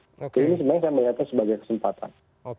jadi ini sebenarnya saya melihatnya sebagai kesempatan